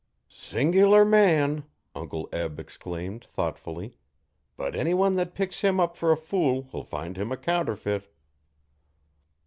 'Sing'lar man!' Uncle Eli exclaimed, thoughtfully, 'but anyone thet picks him up fer a fool'll find him a counterfeit.'